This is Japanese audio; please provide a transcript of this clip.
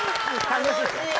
楽しい。